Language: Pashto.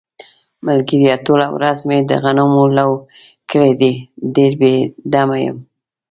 ملگریه ټوله ورځ مې د غنمو لو کړی دی، ډېر بې دمه یم.